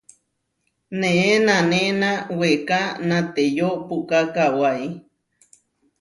Neé nanéna weká nateyó puʼká kawái.